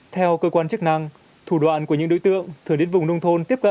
theo cơ quan chức năng thủ đoạn của những đối tượng thường đến vùng nông thôn tiếp tục